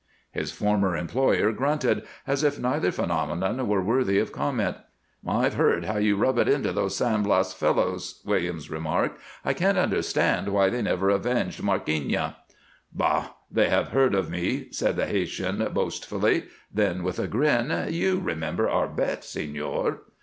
His former employer grunted, as if neither phenomenon were worthy of comment. "I've heard how you rub it into those San Blas fellows," Williams remarked. "I can't understand why they never avenged Markeeña." "Bah! They have heard of me," said the Haytian, boastfully; then, with a grin, "You remember our bet, señor?"